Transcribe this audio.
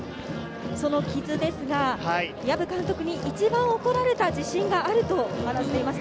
その木津ですが、藪監督に一番怒られた自信があると話していました。